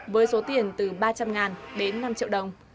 với số tiền từ ba trăm linh đến năm triệu đồng